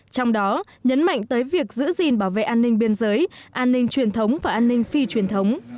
trong đó nhấn mạnh tới việc giữ gìn bảo vệ an ninh biên giới an ninh truyền thống và an ninh phi truyền thống